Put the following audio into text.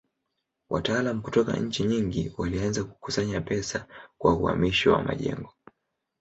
Wataalamu kutoka nchi nyingi walianza kukusanya pesa kwa uhamisho wa majengo.